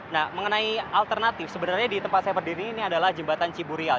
nah mengenai alternatif sebenarnya di tempat saya berdiri ini adalah jembatan ciburial